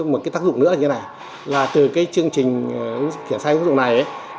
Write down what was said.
một tác dụng nữa là từ chương trình kiển sai tác dụng này